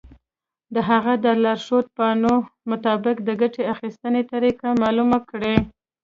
د هغه د لارښود پاڼو مطابق د ګټې اخیستنې طریقه معلومه کړئ.